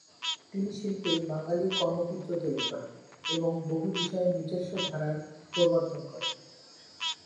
তিনি শিল্পে বাঙালির কর্মক্ষেত্র তৈরি করেন এবং বহু বিষয়ে নিজস্ব ধারার প্রবর্তন করেন।